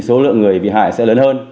số lượng người bị hại sẽ lớn hơn